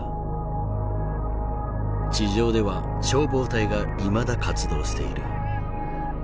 地上では消防隊がいまだ活動している。